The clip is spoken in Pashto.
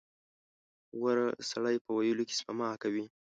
• غوره سړی په ویلو کې سپما کوي.